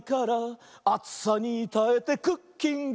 「あつさにたえてクッキング」